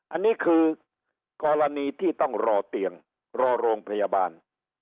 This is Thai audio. อันนี้คือกรณีที่ต้องรอเตียงรอโรงพยาบาล